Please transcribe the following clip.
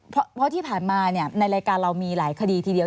เพราะที่ผ่านมาในรายการเรามีหลายคดีทีเดียว